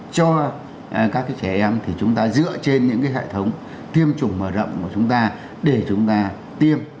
cho các trẻ em thì chúng ta dựa trên những hệ thống tiêm chủng mở rộng của chúng ta để chúng ta tiêm